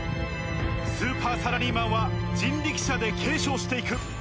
スーパーサラリーマンは人力舎で継承していく。